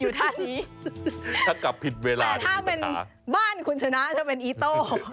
ท่านี้ถ้ากลับผิดเวลาแต่ถ้าเป็นบ้านคุณชนะจะเป็นอีโต้